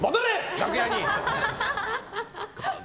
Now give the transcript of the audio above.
楽屋に！